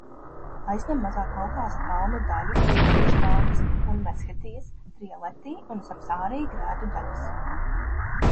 Aizņem Mazā Kaukāza kalnu daļu un priekškalnes un Meshetijas, Trialeti un Samsari grēdu daļas.